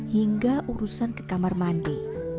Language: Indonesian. hingga urusan ke kamar mandi